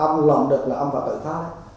ông làm được là ông phải tội phá